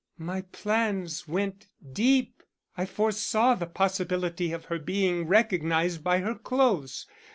My plans went deep; I foresaw the possibility of her being recognized by her clothes.